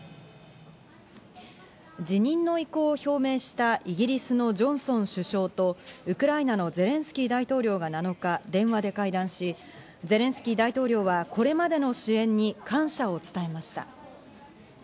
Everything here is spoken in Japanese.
辞任の意向を表明したイギリスのジョンソン首相とウクライナのゼレンスキー大統領が７日、電話で会談し、ゼレンスキー大統領はこれまでの支援に感謝を伝えました。